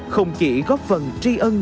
không chỉ góp phần tri ân